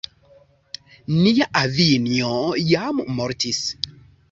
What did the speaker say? Nia avinjo jam mortis.